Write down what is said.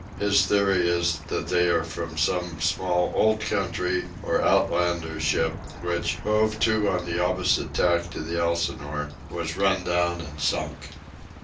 His theory is that they are from some small old country or outlander ship, which, hove to on the opposite tack to the Elsinore, was run down and sunk.